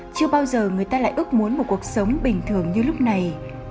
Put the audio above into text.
chưa bao giờ người ta lại ước muốn một cuộc sống bình thường như lúc này